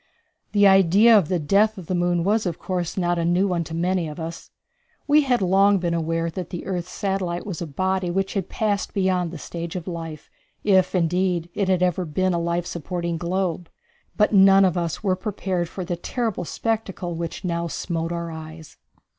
The idea of the death of the moon was, of course, not a new one to many of us. We had long been aware that the earth's satellite was a body which had passed beyond the stage of life, if indeed it had ever been a life supporting globe; but none of us were prepared for the terrible spectacle which now smote our eyes.